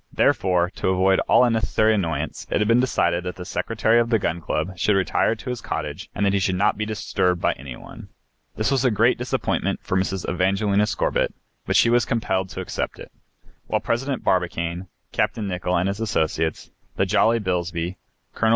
Therefore, to avoid all unnecessary annoyance, it had been decided that the Secretary of the Gun Club should retire to his cottage and that he should not be disturbed by any one. This was a great disappointment for Mrs. Evangelina Scorbitt, but she was compelled to accept it. While President Barbicane, Capt. Nicholl and his associates, the jolly Bilsby, Col.